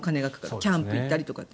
キャンプに行ったりとかって。